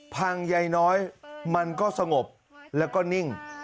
พังใยน้อยมันก็สงบแล้วก็นิ่ง